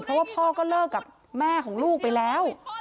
เพราะว่าพ่อก็เลิกกับแม่ของลูกไปแล้ว